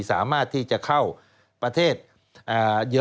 สวัสดีค่ะต้อนรับคุณบุษฎี